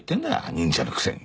忍者のくせに。